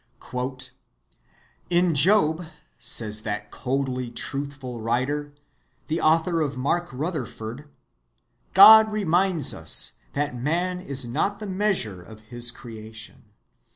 "In Job," says that coldly truthful writer, the author of Mark Rutherford, "God reminds us that man is not the measure of his creation.